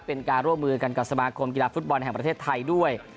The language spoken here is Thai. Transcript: เป็นการร่วมมือกันกับสมาคมกีฬาฟุตบอลแห่งประเทศไทยด้วย